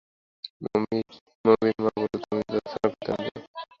মোতির মা বললে, যাও তুমি স্নান করতে, আমি অপেক্ষা করে থাকব।